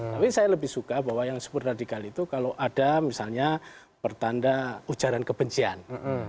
tapi saya lebih suka bahwa yang disebut radikal itu kalau ada misalnya pertanda ujaran kebencian